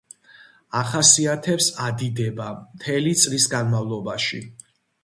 ახასიათებს ადიდება მთელი წლის განმავლობაში.